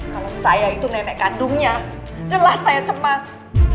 kalau saya itu nenek kandungnya jelas saya cemas